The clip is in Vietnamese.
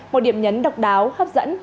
một điểm nhấn độc đáo hấp dẫn